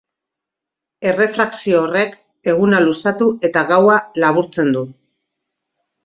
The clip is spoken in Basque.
Errefrakzio horrek, eguna luzatu eta gaua laburtzen du.